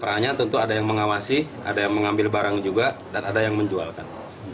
perannya tentu ada yang mengawasi ada yang mengambil barang juga dan ada yang menjualkan